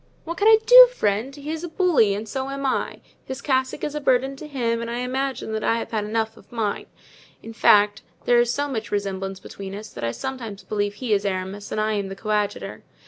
"What can I do, friend? he is a bully and so am I; his cassock is a burden to him and I imagine I have had enough of mine; in fact, there is so much resemblance between us that I sometimes believe he is Aramis and I am the coadjutor.